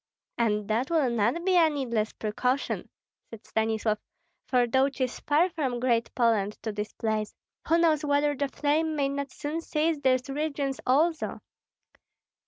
"And that will not be a needless precaution," said Stanislav; "for though 'tis far from Great Poland to this place, who knows whether the flame may not soon seize these regions also?"